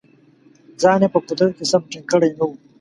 ځان یې په قدرت کې سم ټینګ کړی نه وو.